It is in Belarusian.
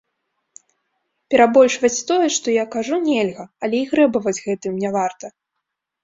Перабольшваць тое, што я кажу, нельга, але і грэбаваць гэтым не варта.